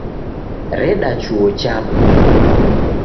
Reda chuo chapo.